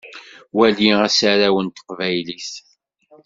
Wali asaraw n teqbaylit.